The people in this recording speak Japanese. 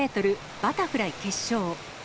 バタフライ決勝。